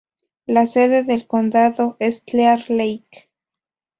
La sede del condado es Clear Lake.